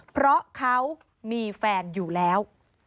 เพราะเขามีแฟนอยู่แล้ว